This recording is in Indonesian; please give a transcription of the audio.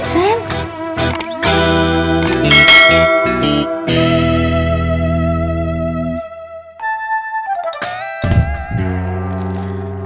coba emang liat di sin